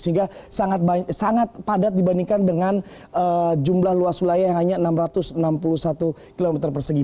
sehingga sangat padat dibandingkan dengan jumlah luas wilayah yang hanya enam ratus enam puluh satu km persegi